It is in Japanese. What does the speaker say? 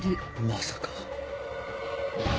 まさか。